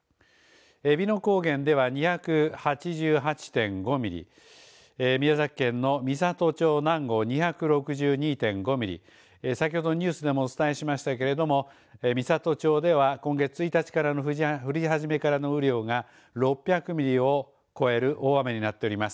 えびの高原では２８８．５ミリ、宮崎県の美郷町南郷２６２．５ミリ、先ほどニュースでもお伝えしましたけれども美郷町では今月１日からの降り始めからの雨量が６００ミリを超える大雨になっております。